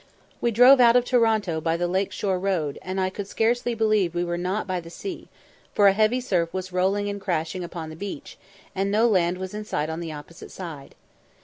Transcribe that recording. We drove out of Toronto by the Lake shore road, and I could scarcely believe we were not by the sea, for a heavy surf was rolling and crashing upon the beach, and no land was in sight on the opposite side.